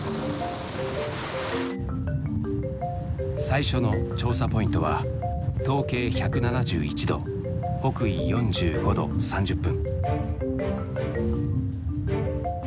最初の調査ポイントは東経１７１度北緯４５度３０分。